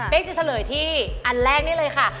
เป็นจะเฉลยที่อันแรกนี่เลยค่ะ